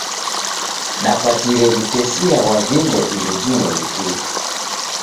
Dapatire w'utesia ghwa vindo indo jimweri tu.